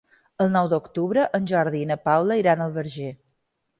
El nou d'octubre en Jordi i na Paula iran al Verger.